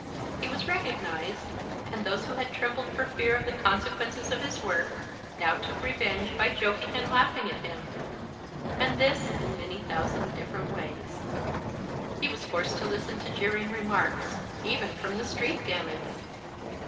He was recognized, and those who had trembled for fear of the consequences of his work now took revenge by joking and laughing at him, and this in many thousand different ways. He was forced to listen to jeering remarks, even from the street gamins.